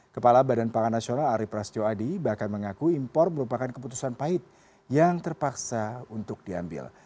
kepala badan pangan nasional arief prasetyo adi bahkan mengaku impor merupakan keputusan pahit yang terpaksa untuk diambil